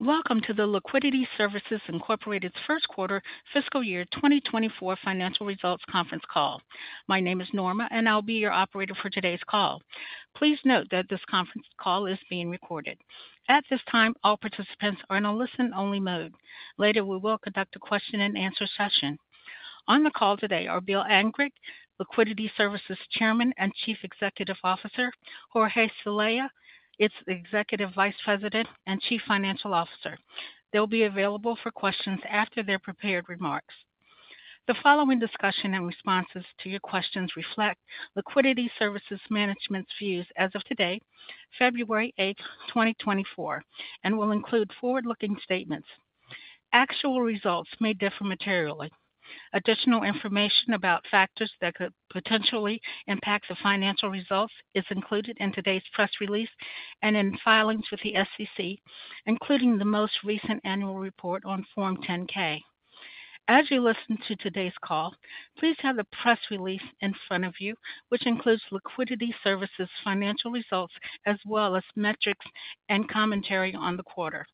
Welcome to the Liquidity Services Incorporated First Quarter Fiscal Year 2024 financial results conference call. My name is Norma, and I'll be your operator for today's call. Please note that this conference call is being recorded. At this time, all participants are in a listen-only mode. Later, we will conduct a question-and-answer session. On the call today are Bill Angrick, Liquidity Services Chairman and Chief Executive Officer, Jorge Celaya, its Executive Vice President and Chief Financial Officer. They'll be available for questions after their prepared remarks. The following discussion and responses to your questions reflect Liquidity Services management's views as of today, 8 February 2024, and will include forward-looking statements. Actual results may differ materially. Additional information about factors that could potentially impact the financial results is included in today's press release and in filings with the SEC, including the most recent annual report on Form 10-K. As you listen to today's call, please have the press release in front of you, which includes Liquidity Services financial results, as well as metrics and commentary on the quarter.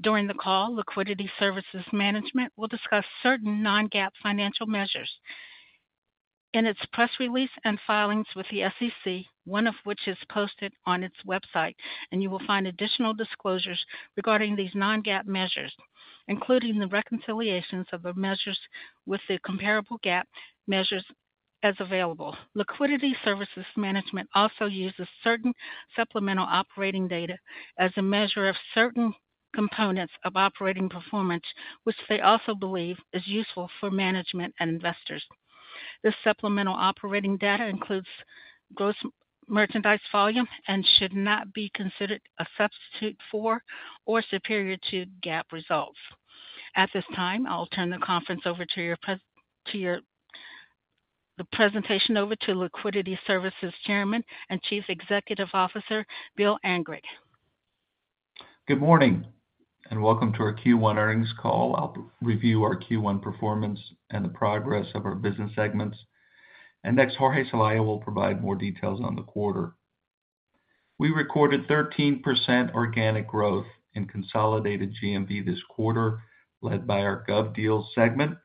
During the call, Liquidity Services management will discuss certain Non-GAAP financial measures. In its press release and filings with the SEC, one of which is posted on its website, and you will find additional disclosures regarding these Non-GAAP measures, including the reconciliations of the measures with the comparable GAAP measures as available. Liquidity Services management also uses certain supplemental operating data as a measure of certain components of operating performance, which they also believe is useful for management and investors. This supplemental operating data includes gross merchandise volume and should not be considered a substitute for or superior to GAAP results. At this time, I'll turn the conference over to your. The presentation over to Liquidity Services Chairman and Chief Executive Officer, Bill Angrick. Good morning, and welcome to our Q1 earnings call. I'll review our Q1 performance and the progress of our business segments, and next, Jorge Celaya will provide more details on the quarter. We recorded 13% organic growth in consolidated GMV this quarter, led by our GovDeals segment,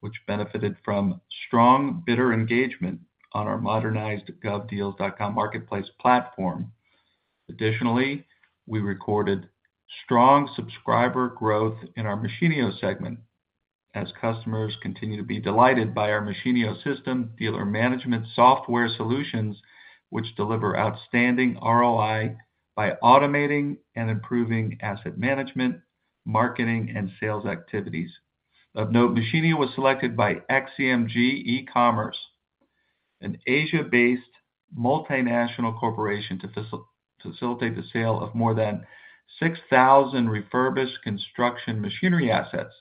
which benefited from strong bidder engagement on our modernized GovDeals.com marketplace platform. Additionally, we recorded strong subscriber growth in our Machinio segment as customers continue to be delighted by our Machinio System dealer management software solutions, which deliver outstanding ROI by automating and improving asset management, marketing, and sales activities. Of note, Machinio was selected by XCMG E-Commerce, an Asia-based multinational corporation, to facilitate the sale of more than 6,000 refurbished construction machinery assets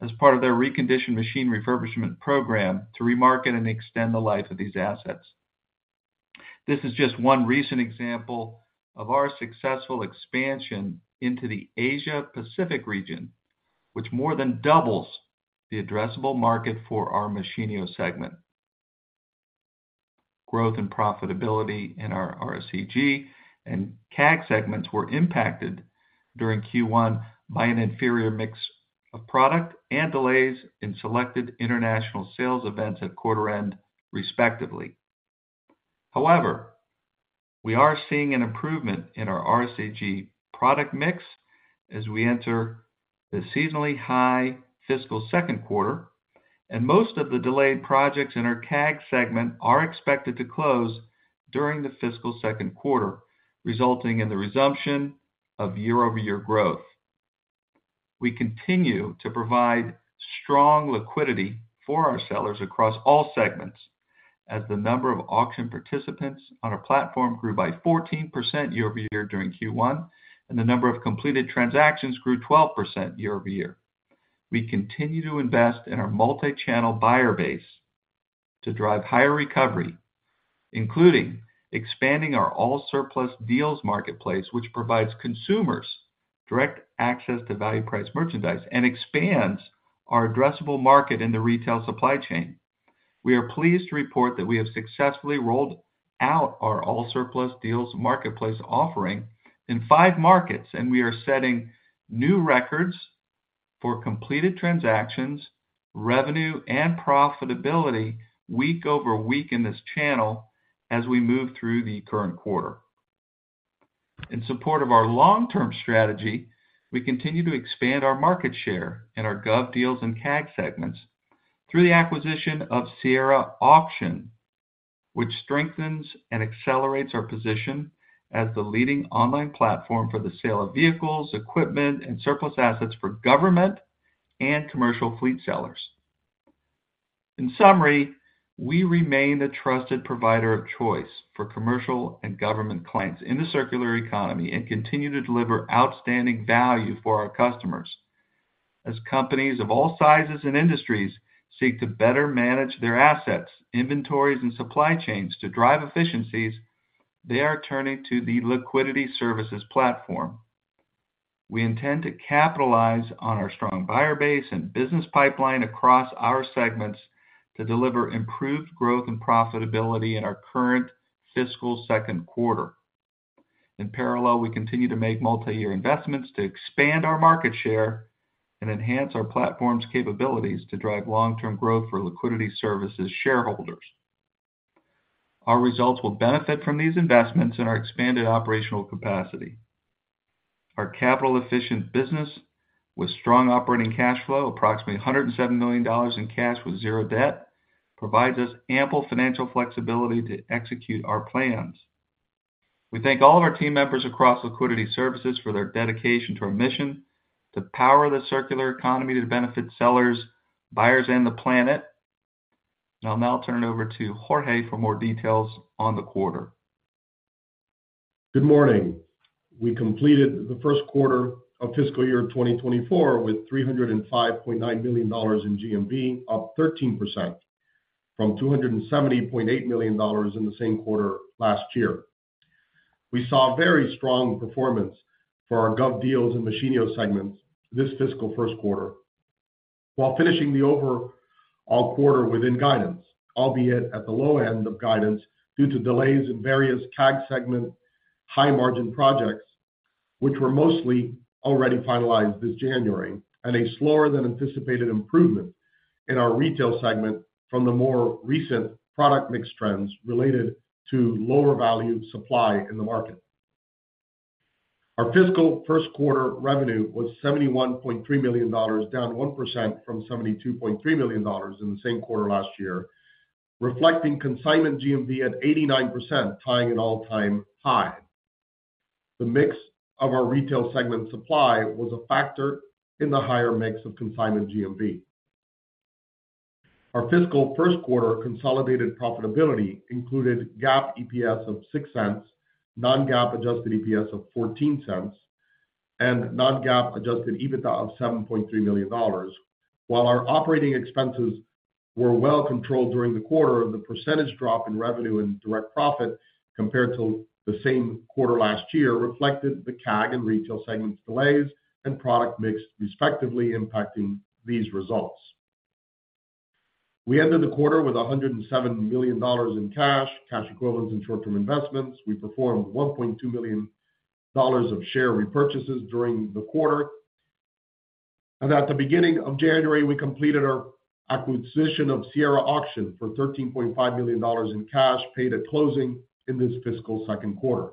as part of their reconditioned machine refurbishment program to remarket and extend the life of these assets. This is just one recent example of our successful expansion into the Asia Pacific region, which more than doubles the addressable market for our Machinio segment. Growth and profitability in our RSCG and CAG segments were impacted during Q1 by an inferior mix of product and delays in selected international sales events at quarter end, respectively. However, we are seeing an improvement in our RSCG product mix as we enter the seasonally high fiscal second quarter, and most of the delayed projects in our CAG segment are expected to close during the fiscal second quarter, resulting in the resumption of year-over-year growth. We continue to provide strong liquidity for our sellers across all segments, as the number of auction participants on our platform grew by 14% year-over-year during Q1, and the number of completed transactions grew 12% year-over-year. We continue to invest in our multi-channel buyer base to drive higher recovery, including expanding our AllSurplus Deals marketplace, which provides consumers direct access to value-priced merchandise and expands our addressable market in the retail supply chain. We are pleased to report that we have successfully rolled out our AllSurplus Deals marketplace offering in five markets, and we are setting new records for completed transactions, revenue, and profitability week over week in this channel as we move through the current quarter. In support of our long-term strategy, we continue to expand our market share in our GovDeals and CAG segments through the acquisition of Sierra Auction, which strengthens and accelerates our position as the leading online platform for the sale of vehicles, equipment, and surplus assets for government and commercial fleet sellers. In summary, we remain the trusted provider of choice for commercial and government clients in the circular economy and continue to deliver outstanding value for our customers. As companies of all sizes and industries seek to better manage their assets, inventories, and supply chains to drive efficiencies, they are turning to the Liquidity Services platform. We intend to capitalize on our strong buyer base and business pipeline across our segments to deliver improved growth and profitability in our current fiscal second quarter. In parallel, we continue to make multi-year investments to expand our market share and enhance our platform's capabilities to drive long-term growth for Liquidity Services shareholders. Our results will benefit from these investments and our expanded operational capacity. Our capital-efficient business, with strong operating cash flow, approximately $107 million in cash with zero debt, provides us ample financial flexibility to execute our plans. We thank all of our team members across Liquidity Services for their dedication to our mission to power the circular economy to benefit sellers, buyers, and the planet. I'll now turn it over to Jorge for more details on the quarter. Good morning. We completed the first quarter of fiscal year 2024 with $305.9 million in GMV, up 13% from $270.8 million in the same quarter last year. We saw very strong performance for our GovDeals and Machinio segments this fiscal first quarter, while finishing the overall quarter within guidance, albeit at the low end of guidance, due to delays in various CAG segment high-margin projects, which were mostly already finalized this January, and a slower than anticipated improvement in our retail segment from the more recent product mix trends related to lower value supply in the market. Our fiscal first quarter revenue was $71.3 million, down 1% from $72.3 million in the same quarter last year, reflecting consignment GMV at 89%, tying an all-time high. The mix of our retail segment supply was a factor in the higher mix of consignment GMV. Our fiscal first quarter consolidated profitability included GAAP EPS of $0.06, non-GAAP adjusted EPS of $0.14, and non-GAAP adjusted EBITDA of $7.3 million. While our operating expenses were well controlled during the quarter, the percentage drop in revenue and direct profit compared to the same quarter last year reflected the CAG and retail segments delays and product mix respectively impacting these results. We ended the quarter with $107 million in cash, cash equivalents, and short-term investments. We performed $1.2 million of share repurchases during the quarter. At the beginning of January, we completed our acquisition of Sierra Auction for $13.5 million in cash paid at closing in this fiscal second quarter.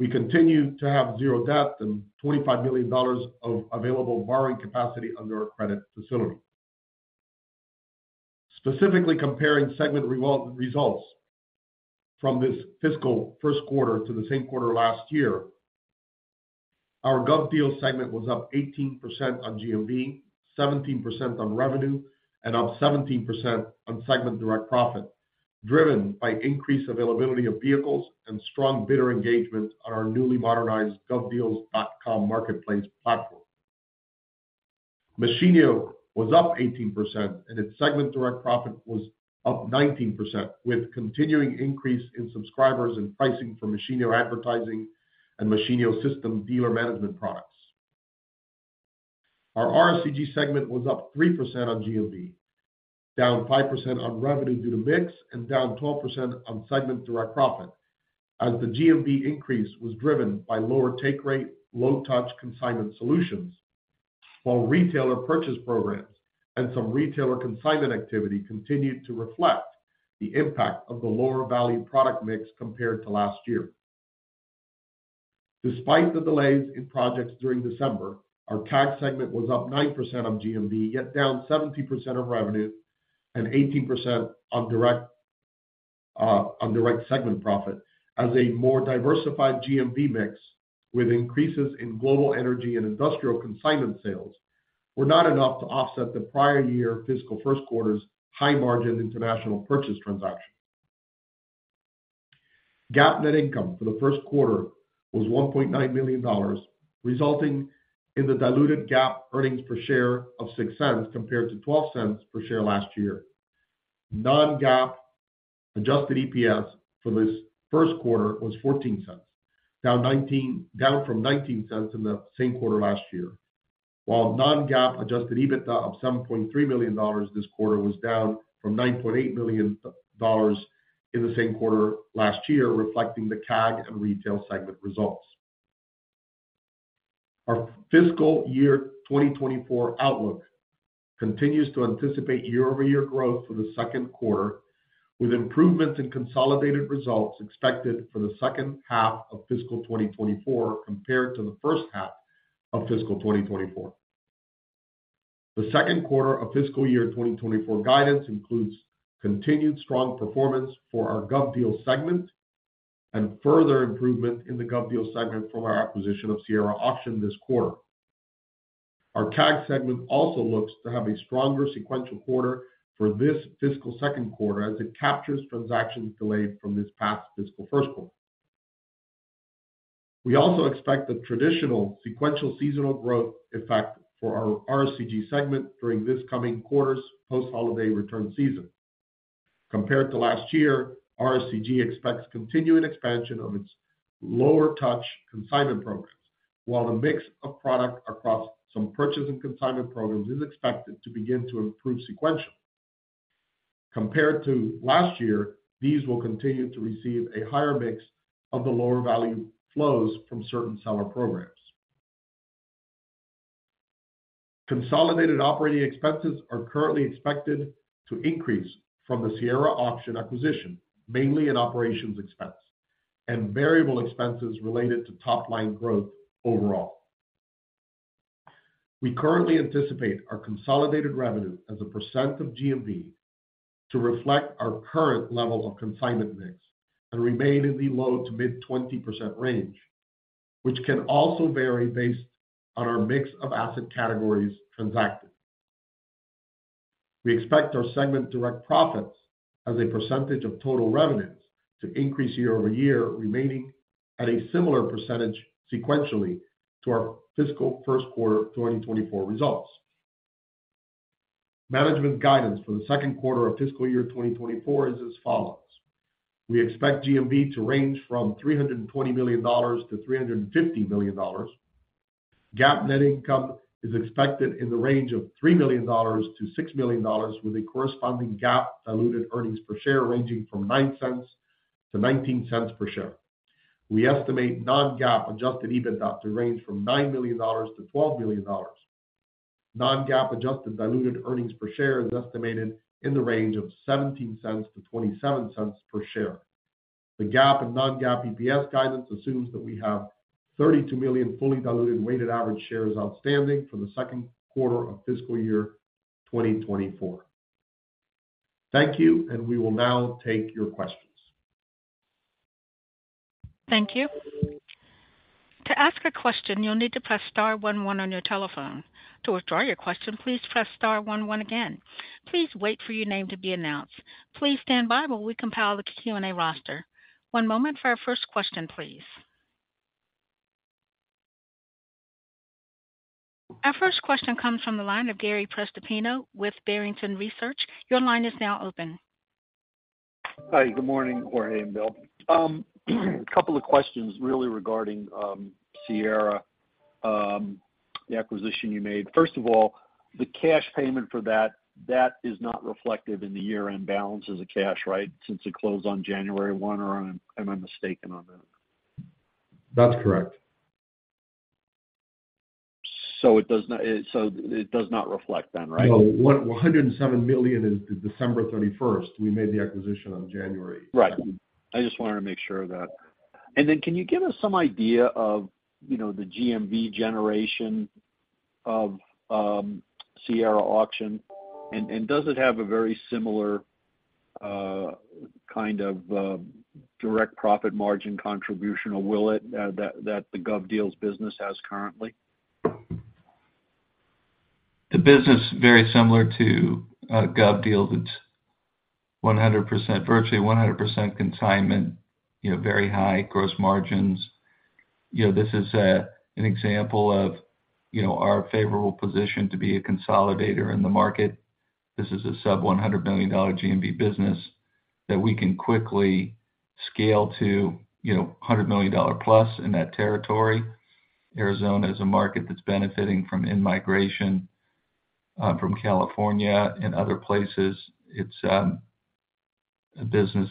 We continue to have zero debt and $25 million of available borrowing capacity under our credit facility. Specifically comparing segment results from this fiscal first quarter to the same quarter last year, our GovDeals segment was up 18% on GMV, 17% on revenue, and up 17% on segment direct profit, driven by increased availability of vehicles and strong bidder engagement on our newly modernized GovDeals.com marketplace platform. Machinio was up 18%, and its segment direct profit was up 19%, with continuing increase in subscribers and pricing for Machinio advertising and Machinio System dealer management products. Our RSCG segment was up 3% on GMV, down 5% on revenue due to mix, and down 12% on segment direct profit, as the GMV increase was driven by lower take rate, low touch consignment solutions, while retailer purchase programs and some retailer consignment activity continued to reflect the impact of the lower value product mix compared to last year. Despite the delays in projects during December, our CAG segment was up 9% on GMV, yet down 70% on revenue and 18% on direct segment profit, as a more diversified GMV mix with increases in global energy and industrial consignment sales were not enough to offset the prior year fiscal first quarter's high-margin international purchase transaction. GAAP net income for the first quarter was $1.9 million, resulting in the diluted GAAP earnings per share of $0.06, compared to $0.12 per share last year. Non-GAAP adjusted EPS for this first quarter was $0.14, down from $0.19 in the same quarter last year. While non-GAAP adjusted EBITDA of $7.3 million this quarter was down from $9.8 million in the same quarter last year, reflecting the CAG and retail segment results. Our fiscal year 2024 outlook continues to anticipate year-over-year growth for the second quarter, with improvements in consolidated results expected for the second half of fiscal 2024, compared to the first half of fiscal 2024. The second quarter of fiscal year 2024 guidance includes continued strong performance for our GovDeals segment and further improvement in the GovDeals segment from our acquisition of Sierra Auction this quarter. Our CAG segment also looks to have a stronger sequential quarter for this fiscal second quarter as it captures transactions delayed from this past fiscal first quarter. We also expect the traditional sequential seasonal growth effect for our RSCG segment during this coming quarter's post-holiday return season compared to last year, RSCG expects continuing expansion of its lower touch consignment programs, while the mix of product across some purchase and consignment programs is expected to begin to improve sequentially. Compared to last year, these will continue to receive a higher mix of the lower value flows from certain seller programs. Consolidated operating expenses are currently expected to increase from the Sierra Auction acquisition, mainly in operations expense and variable expenses related to top line growth overall. We currently anticipate our consolidated revenue as a percent of GMV to reflect our current levels of consignment mix and remain in the low to mid 20% range, which can also vary based on our mix of asset categories transacted. We expect our segment direct profits as a percentage of total revenues to increase year-over-year, remaining at a similar percentage sequentially to our fiscal first quarter of 2024 results. Management guidance for the second quarter of fiscal year 2024 is as follows: We expect GMV to range from $320 million to $350 million. GAAP net income is expected in the range of $3 million-$6 million, with a corresponding GAAP diluted earnings per share ranging from $0.09-$0.19 per share. We estimate non-GAAP adjusted EBITDA to range from $9 million-$12 million. Non-GAAP adjusted diluted earnings per share is estimated in the range of $0.17-$0.27 per share. The GAAP and non-GAAP EPS guidance assumes that we have 32 million fully diluted weighted average shares outstanding for the second quarter of fiscal year 2024. Thank you, and we will now take your questions. Thank you. To ask a question, you'll need to press star one one on your telephone. To withdraw your question, please press star one one again. Please wait for your name to be announced. Please stand by while we compile the Q&A roster. One moment for our first question, please. Our first question comes from the line of Gary Prestopino with Barrington Research. Your line is now open. Hi, good morning, Jorge and Bill. A couple of questions really regarding Sierra, the acquisition you made. First of all, the cash payment for that, that is not reflective in the year-end balance as a cash, right? Since it closed on January one, or am I mistaken on that? That's correct. So it does not reflect then, right? No. $107 million is December 31st. We made the acquisition on January. Right. I just wanted to make sure of that. And then can you give us some idea of, you know, the GMV generation of Sierra Auction? And does it have a very similar kind of direct profit margin contribution, or will it, that the GovDeals business has currently? The business is very similar to GovDeals. It's 100%, virtually 100% consignment, you know, very high gross margins. You know, this is an example of, you know, our favorable position to be a consolidator in the market. This is a sub-$100 billion GMV business that we can quickly scale to, you know, a $100 million+ in that territory. Arizona is a market that's benefiting from in-migration from California and other places. It's a business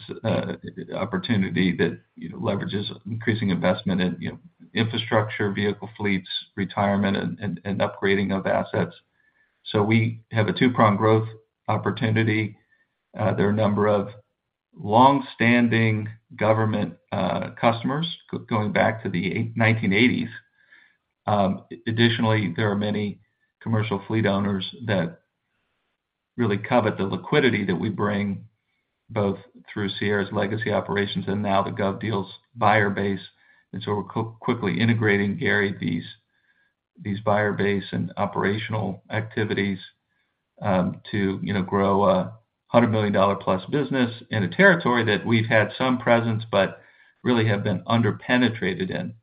opportunity that, you know, leverages increasing investment in, you know, infrastructure, vehicle fleets, retirement, and upgrading of assets. So we have a two-pronged growth opportunity. There are a number of long-standing government customers going back to the 1980s. Additionally, there are many commercial fleet owners that really covet the liquidity that we bring, both through Sierra's legacy operations and now the GovDeals buyer base. And so we're quickly integrating, Gary, these buyer base and operational activities, to you know, grow a $100 million-plus business in a territory that we've had some presence, but really have been under-penetrated in.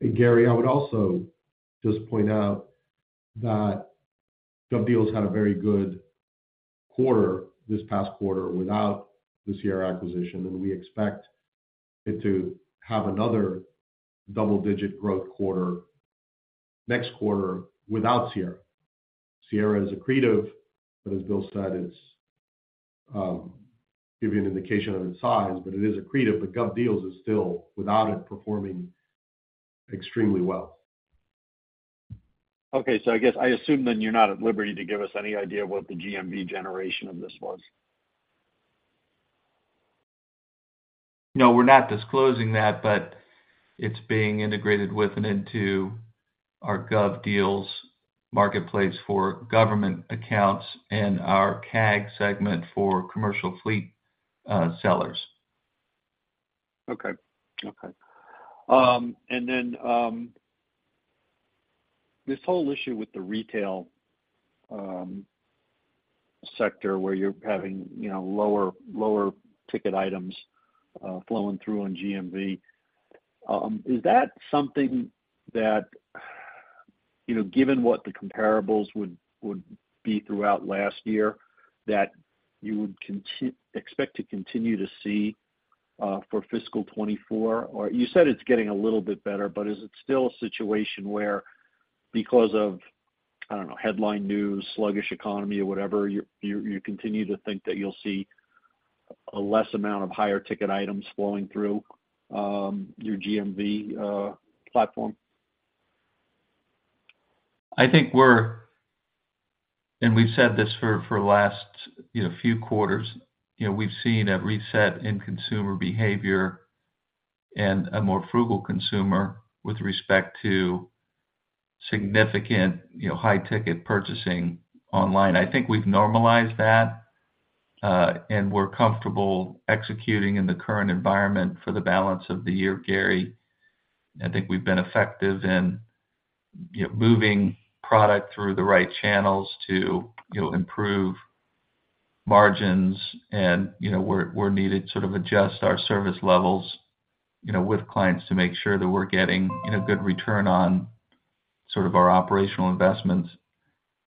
Hey, Gary, I would also just point out that GovDeals had a very good quarter this past quarter without the Sierra acquisition, and we expect it to have another double-digit growth quarter next quarter without Sierra. Sierra is accretive, but as Bill said, it's, give you an indication of its size, but it is accretive, but GovDeals is still, without it, performing extremely well. Okay. So I guess, I assume then you're not at liberty to give us any idea of what the GMV generation of this was? No, we're not disclosing that, but it's being integrated with and into our GovDeals marketplace for government accounts and our CAG segment for commercial fleet, sellers. Okay. Okay. And then, this whole issue with the retail sector, where you're having, you know, lower, lower ticket items flowing through on GMV, is that something that you know, given what the comparables would be throughout last year, that you would expect to continue to see for fiscal 2024? Or you said it's getting a little bit better, but is it still a situation where because of, I don't know, headline news, sluggish economy, or whatever, you continue to think that you'll see a less amount of higher ticket items flowing through your GMV platform? I think we're, and we've said this for the last, you know, few quarters, you know, we've seen a reset in consumer behavior and a more frugal consumer with respect to significant, you know, high-ticket purchasing online. I think we've normalized that, and we're comfortable executing in the current environment for the balance of the year, Gary. I think we've been effective in, you know, moving product through the right channels to, you know, improve margins. You know, we're needed to sort of adjust our service levels, you know, with clients to make sure that we're getting, you know, good return on sort of our operational investments.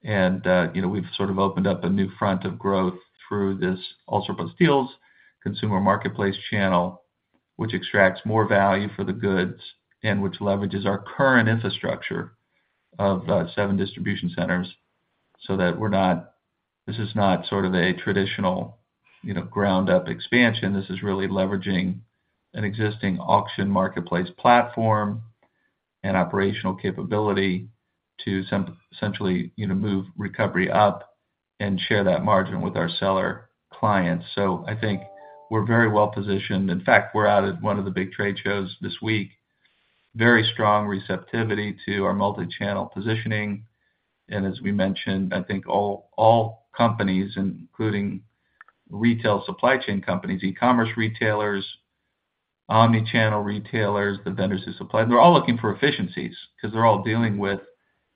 And, you know, we've sort of opened up a new front of growth through this AllSurplus Deals consumer marketplace channel, which extracts more value for the goods and which leverages our current infrastructure of seven distribution centers, so that we're not. This is not sort of a traditional, you know, ground up expansion. This is really leveraging an existing auction marketplace platform and operational capability to some essentially, you know, move recovery up and share that margin with our seller clients. So I think we're very well positioned. In fact, we're out at one of the big trade shows this week. Very strong receptivity to our multi-channel positioning. And as we mentioned, I think all, all companies, including retail supply chain companies, e-commerce retailers, omni-channel retailers, the vendors who supply, they're all looking for efficiencies because they're all dealing with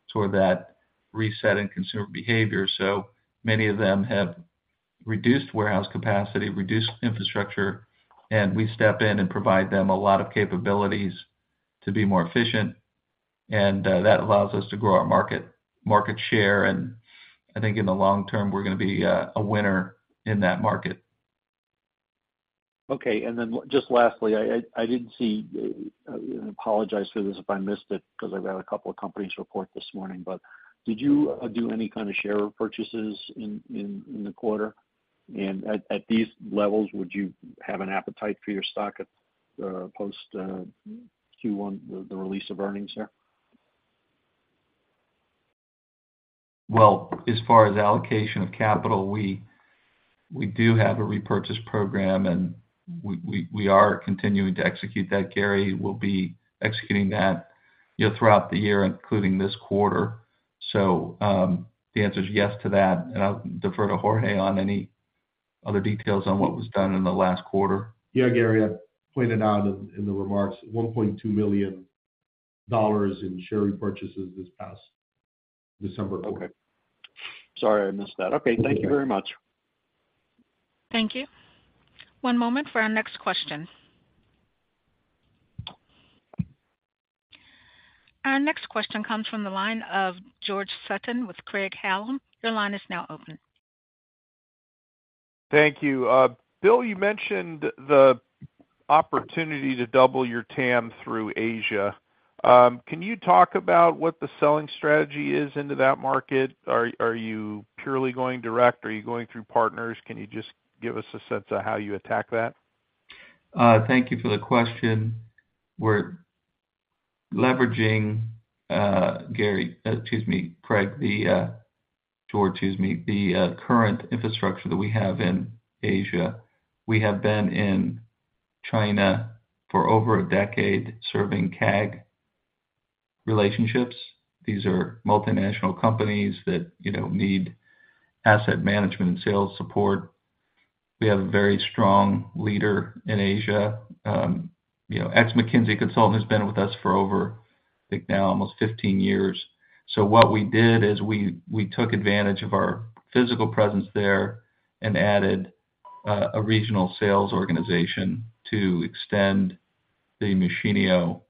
sort of that reset in consumer behavior. Many of them have reduced warehouse capacity, reduced infrastructure, and we step in and provide them a lot of capabilities to be more efficient, and that allows us to grow our market, market share. I think in the long term, we're gonna be a winner in that market. Okay. And then just lastly, I didn't see, and I apologize for this if I missed it, because I've had a couple of companies report this morning, but did you do any kind of share purchases in the quarter? And at these levels, would you have an appetite for your stock at post Q1, the release of earnings there? Well, as far as allocation of capital, we do have a repurchase program, and we are continuing to execute that, Gary. We'll be executing that, you know, throughout the year, including this quarter. So, the answer is yes to that, and I'll defer to Jorge on any other details on what was done in the last quarter. Yeah, Gary, I pointed out in the remarks, $1.2 million in share repurchases this past December quarter. Okay. Sorry, I missed that. Okay. Okay. Thank you very much. Thank you. One moment for our next question. Our next question comes from the line of George Sutton with Craig-Hallum. Your line is now open. Thank you. Bill, you mentioned the opportunity to double your TAM through Asia. Can you talk about what the selling strategy is into that market? Are you purely going direct? Are you going through partners? Can you just give us a sense of how you attack that? Thank you for the question. We're leveraging, Gary, excuse me, Craig, the, George, excuse me. The current infrastructure that we have in Asia, we have been in China for over a decade, serving CAG relationships. These are multinational companies that, you know, need asset management and sales support. We have a very strong leader in Asia. You know, ex-McKinsey consultant has been with us for over, I think now, almost 15 years. So what we did is we, we took advantage of our physical presence there and added, a regional sales organization to extend the Machinio,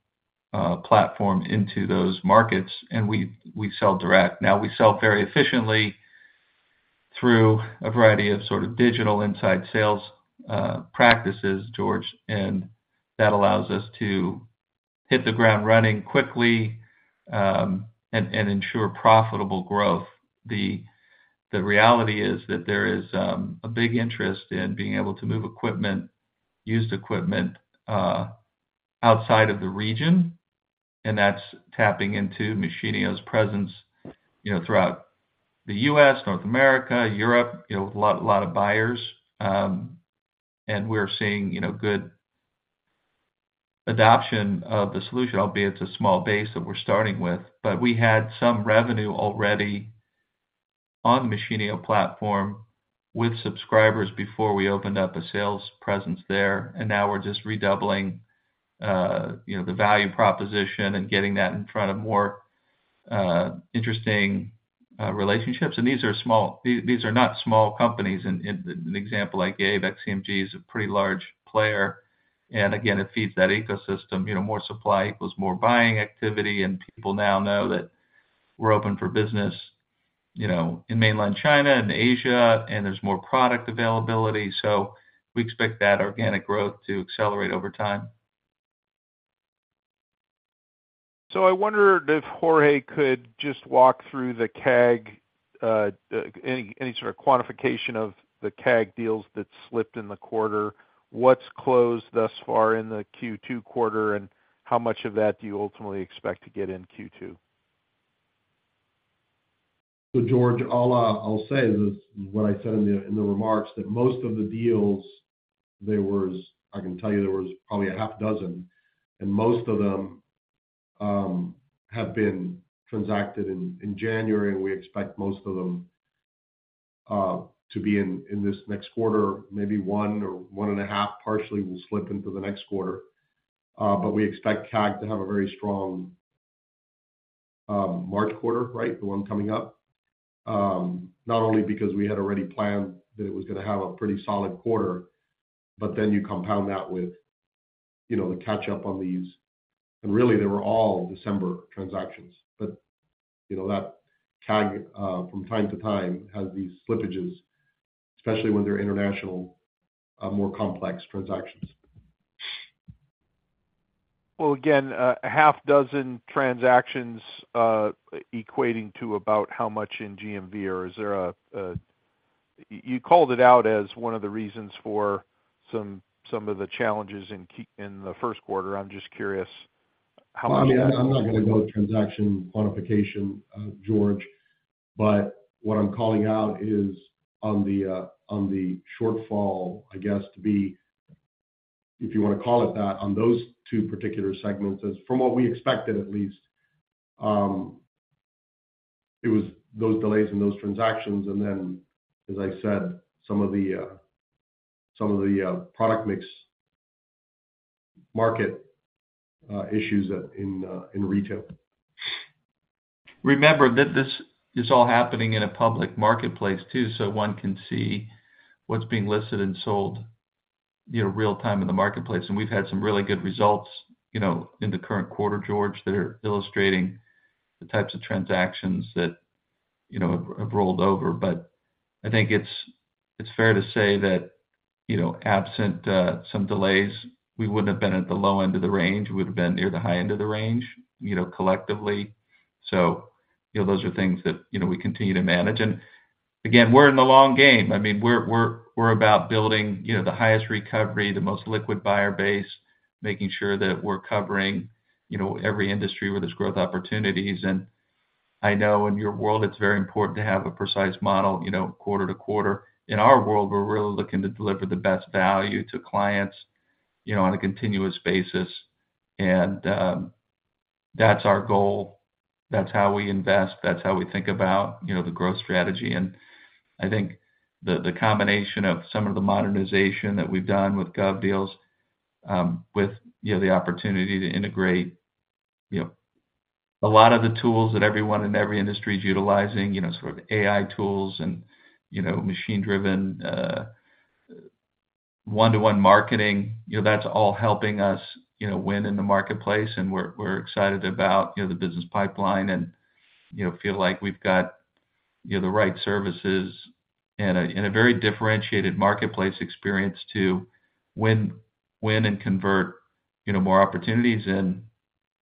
platform into those markets, and we, we sell direct. Now, we sell very efficiently through a variety of sort of digital inside sales, practices, George, and that allows us to hit the ground running quickly, and, and ensure profitable growth. The reality is that there is a big interest in being able to move equipment, used equipment, outside of the region, and that's tapping into Machinio's presence, you know, throughout the U.S., North America, Europe, you know, a lot, a lot of buyers. And we're seeing, you know, good adoption of the solution, albeit it's a small base that we're starting with. But we had some revenue already on Machinio platform with subscribers before we opened up a sales presence there, and now we're just redoubling, you know, the value proposition and getting that in front of more interesting relationships. And these are small—these are not small companies. And the example I gave, XCMG, is a pretty large player. And again, it feeds that ecosystem, you know, more supply equals more buying activity, and people now know that we're open for business, you know, in mainland China and Asia, and there's more product availability. So we expect that organic growth to accelerate over time. I wonder if Jorge could just walk through the CAG, any sort of quantification of the CAG deals that slipped in the quarter, what's closed thus far in the Q2 quarter, and how much of that do you ultimately expect to get in Q2? So George, all I'll say is what I said in the remarks, that most of the deals, I can tell you there was probably 6, and most of them have been transacted in January, and we expect most of them to be in this next quarter, maybe one or one and a half partially will slip into the next quarter. But we expect CAG to have a very strong March quarter, right? The one coming up. Not only because we had already planned that it was gonna have a pretty solid quarter, but then you compound that with, you know, the catch up on these. And really, they were all December transactions. But, you know, that CAG from time to time has these slippages, especially when they're international, more complex transactions. Well, again, a half dozen transactions equating to about how much in GMV? Or is there a. You called it out as one of the reasons for some of the challenges in the first quarter. I'm just curious how much? I'm not gonna go transaction quantification, George, but what I'm calling out is on the, on the shortfall, I guess, to be, if you wanna call it that, on those two particular segments, as from what we expected, at least, it was those delays in those transactions, and then, as I said, some of the, some of the, product mix market, issues in, in retail. Remember that this is all happening in a public marketplace, too, so one can see what's being listed and sold, you know, real time in the marketplace. And we've had some really good results, you know, in the current quarter, George, that are illustrating the types of transactions that, you know, have rolled over. But I think it's fair to say that, you know, absent some delays, we wouldn't have been at the low end of the range. We would have been near the high end of the range, you know, collectively. So, you know, those are things that, you know, we continue to manage. And again, we're in the long game. I mean, we're about building, you know, the highest recovery, the most liquid buyer base, making sure that we're covering, you know, every industry where there's growth opportunities. I know in your world, it's very important to have a precise model, you know, quarter to quarter. In our world, we're really looking to deliver the best value to clients, you know, on a continuous basis. That's our goal. That's how we invest. That's how we think about, you know, the growth strategy. I think the combination of some of the modernization that we've done with GovDeals, with, you know, the opportunity to integrate, you know, a lot of the tools that everyone in every industry is utilizing, you know, sort of AI tools and, you know, machine-driven one-to-one marketing, you know, that's all helping us, you know, win in the marketplace. We're excited about, you know, the business pipeline and, you know, feel like we've got, you know, the right services and a very differentiated marketplace experience to win and convert, you know, more opportunities in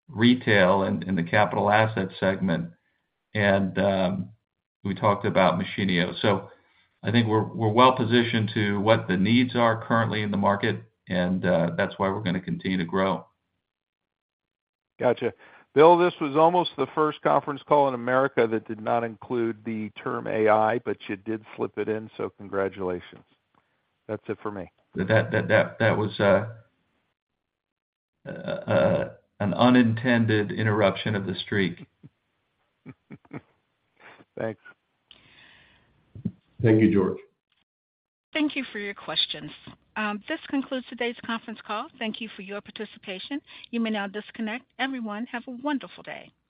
retail and in the capital asset segment. And we talked about Machinio. So I think we're well positioned to what the needs are currently in the market, and that's why we're gonna continue to grow. Gotcha. Bill, this was almost the first conference call in America that did not include the term AI, but you did slip it in, so congratulations. That's it for me. That was an unintended interruption of the streak. Thanks. Thank you, George. Thank you for your questions. This concludes today's conference call. Thank you for your participation. You may now disconnect. Everyone, have a wonderful day.